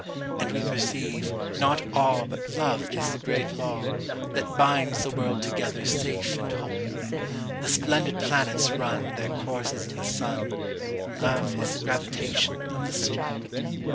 And we perceive, not aweBut love is the great lawThat binds the world together safe and whole. The splendid planets runTheir courses in the sun; Love is the gravitation of the soul.